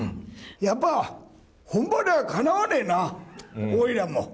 やっぱ、本場にはかなわねえな、おいらも。